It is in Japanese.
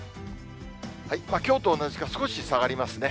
きょうと同じか、少し下がりますね。